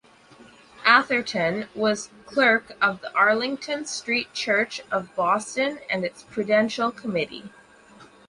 Atherton was clerk of the Arlington Street Church of Boston and its Prudential Committee.